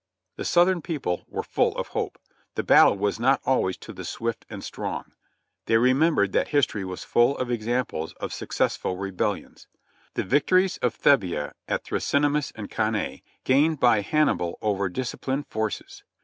The Southern people were full of hope, the battle was not always to the swift and strong. They remembered that history was full of examples of successful rebellions : The victories of Thebia at Thrasynemus and Cannae, gained by Hannibal over dis ciplined forces.